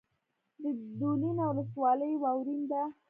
د دولینه ولسوالۍ واورین ده